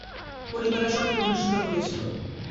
পরিবারের সঙ্গে ঘনিষ্ঠতা করিয়াছিল।